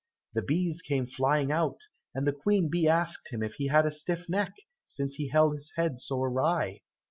The bees came flying out, and the Queen bee asked him if he had a stiff neck, since he held his head so awry?